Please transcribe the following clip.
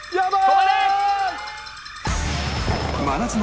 止まれ！